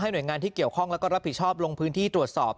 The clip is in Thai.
หน่วยงานที่เกี่ยวข้องแล้วก็รับผิดชอบลงพื้นที่ตรวจสอบ